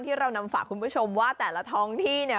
ที่เรานำฝากคุณผู้ชมว่าแต่ละท้องที่เนี่ย